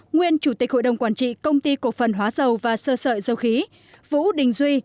nguyên chủ tịch hội đồng quản trị công ty cổ phần hóa dầu và sơ sợi dầu khí vũ đình duy